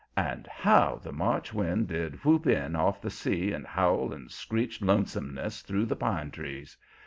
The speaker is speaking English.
And how the March wind did whoop in off the sea and howl and screech lonesomeness through the pine trees!